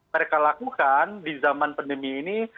mereka lakukan di zaman pandemi ini